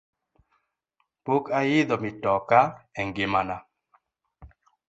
Pok ayidho mitoka e ngima na